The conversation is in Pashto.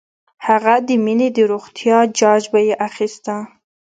هغه د مينې د روغتيا جاج به یې اخيسته